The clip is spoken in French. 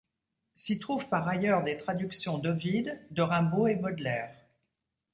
S’y trouvent par ailleurs des traductions d'Ovide, de Rimbaud et Baudelaire.